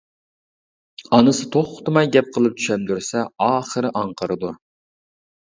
ئانىسى توختىماي گەپ قىلىپ چۈشەندۈرسە ئاخىرى ئاڭقىرىدۇ.